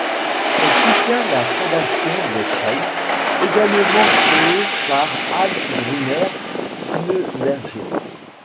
Elle soutient la fondation des Treilles, également créée par Anne Gruner Schlumberger.